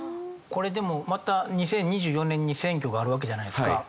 これでもまた２０２４年に選挙があるわけじゃないですか。